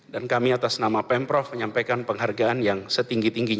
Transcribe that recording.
dan kami atas nama pemprov menyampaikan penghargaan yang setinggi tinggi